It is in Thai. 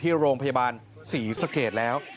ที่โรงพยาบาลศรีสเกตแล้ว